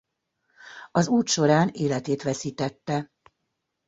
Az út során életét veszítette.